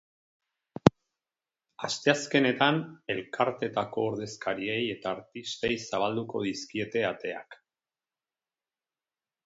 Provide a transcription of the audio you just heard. Asteazkenetan elkarteetako ordezkariei eta artistei zabalduko dizkiete ateak.